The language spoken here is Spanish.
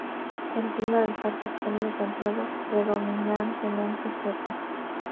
El clima del parque es cálido templado, predominantemente seco.